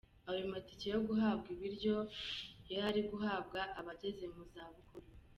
Ayo matike yo guhabwa ibiryo yari ari guhabwa abageze mu zabukuru.